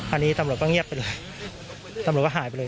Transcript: อันนี้ตำรวจก็เงียบไปเลยตำรวจก็หายไปเลย